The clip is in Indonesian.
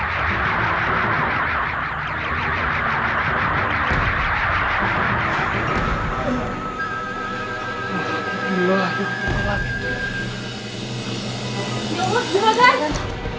jangan istighfar juragan